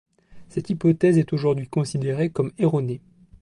Cette hypothèse est aujourd'hui considérée comme erronée.